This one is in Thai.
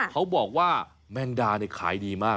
เขาบอกว่าแมงดาขายดีมาก